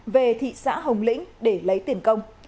về thị xã hồng lĩnh để lấy tiền công